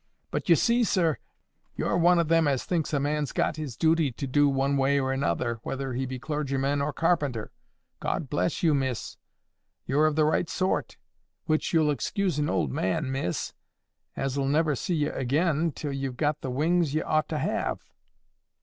But you see, sir, you're one of them as thinks a man's got his duty to do one way or another, whether he be clergyman or carpenter. God bless you, Miss. You're of the right sort, which you'll excuse an old man, Miss, as'll never see ye again till ye've got the wings as ye ought to have."